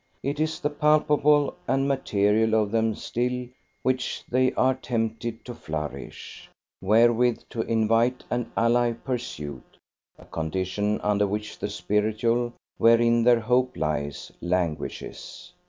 It is the palpable and material of them still which they are tempted to flourish, wherewith to invite and allay pursuit: a condition under which the spiritual, wherein their hope lies, languishes.